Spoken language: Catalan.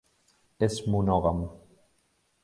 És monògam.